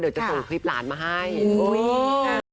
ยังไม่รู้